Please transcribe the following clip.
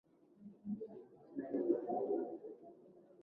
Ni sehemu ya habari tu ambayo huonyesha jumla ya maendeleo